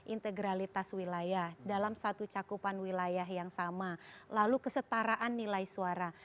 integralitas wilayah dalam satu cakupan wilayah yang sama lalu kesetaraan nilai suara